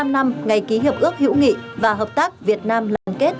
bốn mươi năm năm ngày ký hiệp ước hữu nghị và hợp tác việt nam lan kết